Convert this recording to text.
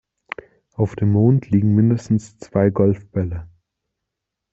Auf dem Mond liegen mindestens zwei Golfbälle.